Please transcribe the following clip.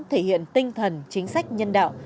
thể hiện tinh thần chính sách nhân dân